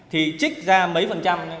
thì trích ra mấy phần trăm